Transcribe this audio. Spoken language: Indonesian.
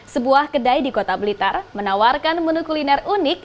sebuah kedai di kota blitar menawarkan menu kuliner unik